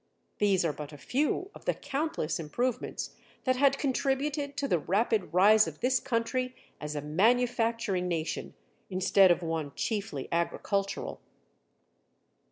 These are but a few of the countless improvements that had contributed to the rapid rise of this country as a manufacturing nation instead of one chiefly agricultural.